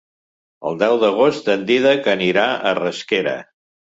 El deu d'agost en Dídac anirà a Rasquera.